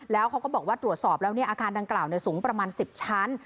แล้วเขาก็บอกว่าตรวจสอบแล้วอาคารดังกล่าวสูงประมาณ๑๐ชั้น